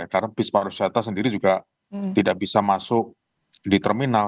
karena bis bis pariwisata sendiri juga tidak bisa masuk di terminal